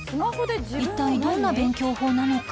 一体どんな勉強法なのか？